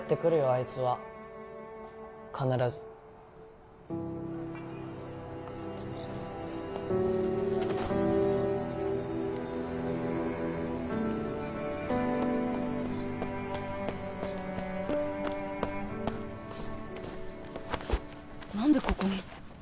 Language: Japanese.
あいつは必ず何でここに？